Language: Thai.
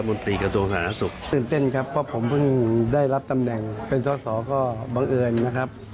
ส่วนบรรยากาศที่ทำเนียบรัฐบาลในวันนี้นะคะ